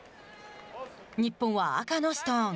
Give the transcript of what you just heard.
日本は赤のストーン。